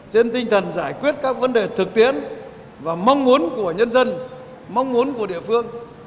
trên tinh thần giải quyết các vấn đề thực tiễn và mong muốn của nhân dân mong muốn của địa phương